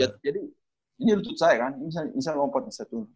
jadi ini lutut saya kan ini saya lompat disitu